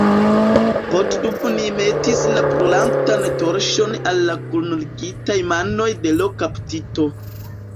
Poddubnij metis la brulantan torĉon al la kunligitaj manoj de l' kaptito.